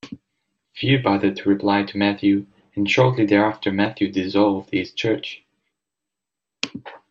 Few bothered to reply to Mathew and shortly thereafter Mathew "dissolved" his church.